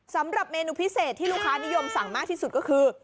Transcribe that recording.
สำหรับเมนูพิเศษที่ลูกค้านิยมสั่งมากที่สุดก็คือ